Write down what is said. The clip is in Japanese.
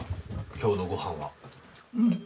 今日のご飯は。